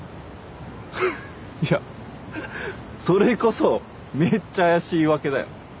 フッいやそれこそめっちゃ怪しい言い訳だよ。